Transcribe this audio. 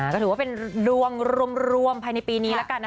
ก็ถือว่าเป็นดวงรวมภายในปีนี้แล้วกัน